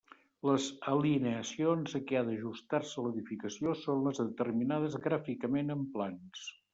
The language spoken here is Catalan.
Les alineacions a què ha d'ajustar-se l'edificació són les determinades gràficament en plans.